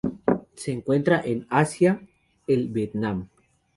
Se encuentran en Asia: el Vietnam.